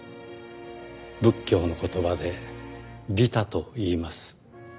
「仏教の言葉で“利他”といいます」